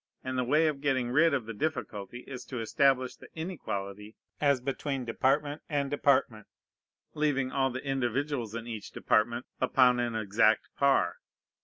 And the way of getting rid of the difficulty is to establish the inequality as between department and department, leaving all the individuals in each department upon an exact par.